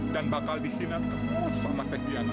dan bakal dihina terus sama teh diana